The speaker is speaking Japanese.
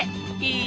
いい！